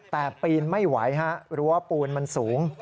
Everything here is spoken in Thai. แต่ปีนไม่ไหวฮะรั้วปูนมันสูง